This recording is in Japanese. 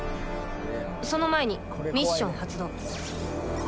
その前にミッション発動。